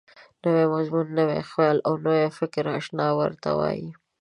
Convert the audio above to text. نوی مضمون، نوی خیال او نوی فکر انشأ ورته وايي.